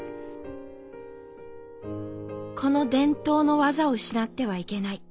「この伝統の技を失ってはいけない。